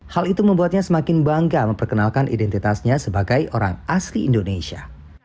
hal itu membuatnya semakin bangga memperkenalkan identitasnya sebagai orang asli indonesia